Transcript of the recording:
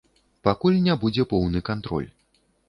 Пакуль не будзе поўны кантроль.